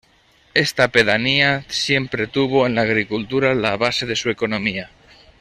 Esta pedanía siempre tuvo en la agricultura la base de su economía.